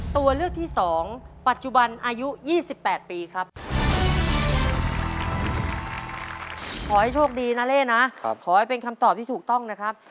ส่วนเลือกที่สอง